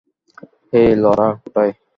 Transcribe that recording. হেই, Laura কোথায়?